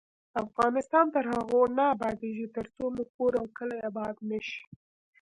افغانستان تر هغو نه ابادیږي، ترڅو مو کور او کلی اباد نشي.